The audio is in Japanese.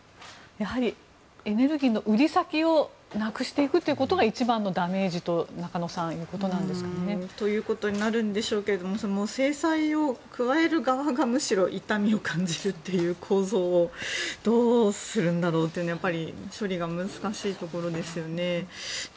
やはりエネルギーの売り先をなくしていくことが一番のダメージということなんですかね、中野さん。ということになるんでしょうけど制裁を加える側がむしろ痛みを感じる構造をどうするんだろうというのはやっぱり処理が難しいところですよね。